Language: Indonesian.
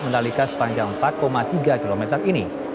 mandalika sepanjang empat tiga km ini